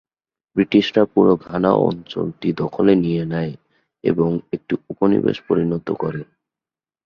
ব্রিটিশরা পুরো ঘানা অঞ্চলটি দখলে নিয়ে নেয় এবং একটি উপনিবেশে পরিণত করে।